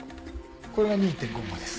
これが２．５号です。